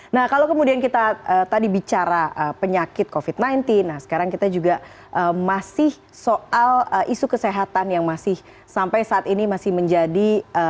nah kalau kemudian kita tadi bicara penyakit covid sembilan belas nah sekarang kita juga masih soal isu kesehatan yang masih sampai saat ini masih menjadi